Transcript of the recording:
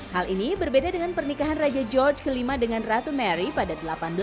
hal ini berbeda dengan pernikahan raja george vi dengan ratu mary pada seribu delapan ratus tujuh puluh